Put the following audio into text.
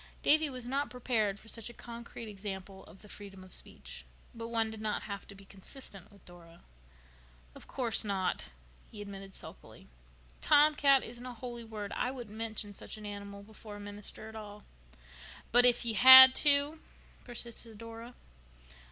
Davy was not prepared for such a concrete example of the freedom of speech. But one did not have to be consistent with Dora. "Of course not," he admitted sulkily. "'Tomcat' isn't a holy word. I wouldn't mention such an animal before a minister at all." "But if you had to?" persisted Dora.